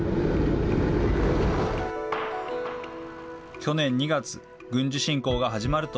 去年２月、軍事侵攻が始まると、